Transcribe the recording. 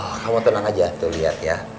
oh kamu tenang aja tuh liat ya